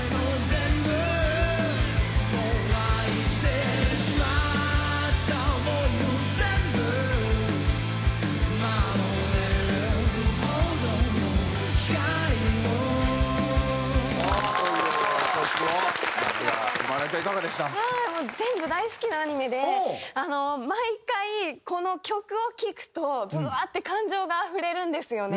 全部大好きなアニメで毎回この曲を聴くとブワーッて感情があふれるんですよね。